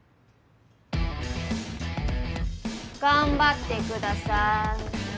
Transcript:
頑張ってください。